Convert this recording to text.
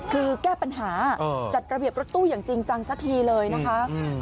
คือแก้ปัญหาจัดระเบียบรถตู้อย่างจริงจังสักทีเลยนะคะ